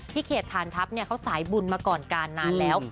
เขตฐานทัพเขาสายบุญมาก่อนการนานแล้ว